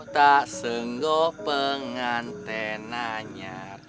ta senggo pengante nanyar